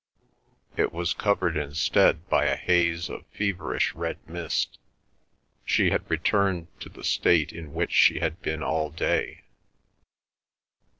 It was covered instead by a haze of feverish red mist. She had returned to the state in which she had been all day.